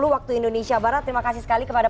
waktu indonesia barat terima kasih sekali kepada